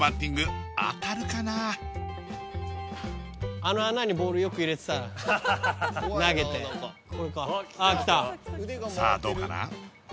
あの穴にボールよく入れてたな投げてああ来たさあどうかな？